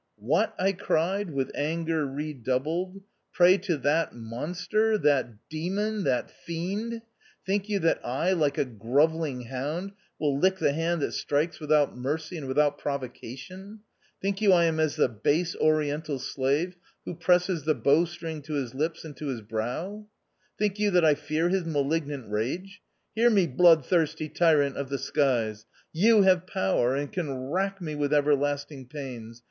" What," I cried, with anger redoubled, " pray to that monster, that demon, that fiend 1 Think you that I, like a grovelling hound, will lick the hand that strikes without mercy and without provocation ? Think you I am as the base Oriental slave, who presses the bowstring to his lips and to his brow 1 Think you that I fear his malignant rage ? Hear me, blood thirsty tyrant of the skies, you have power, and can rack me with everlasting pains.